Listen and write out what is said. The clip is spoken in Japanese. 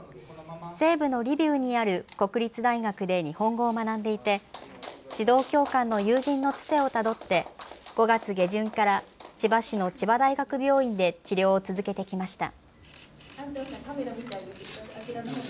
西部のリビウにある国立大学で日本語を学んでいて指導教官の友人のつてをたどって５月下旬から千葉市の千葉大学病院で治療を続けてきました。